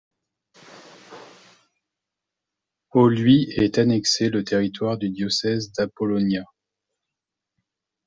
Au lui est annexé le territoire du diocèse d'Apollonia.